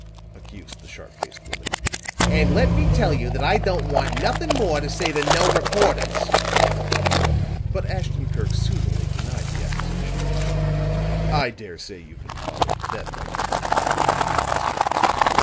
accused the sharp faced woman. "And let me tell you that I don't want nothing more to say to no reporters." But Ashton Kirk soothingly denied the accusation. "I dare say you've been bothered to death by newspaper men," spoke he.